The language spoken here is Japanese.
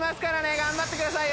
頑張ってくださいよ。